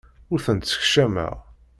Ur tent-ssekcameɣ.